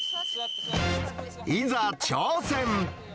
いざ挑戦。